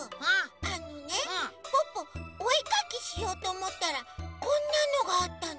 あのねポッポおえかきしようとおもったらこんなのがあったの。